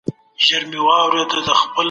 ټولنپوهان باید له خپل تخصص څخه ګټه واخلي.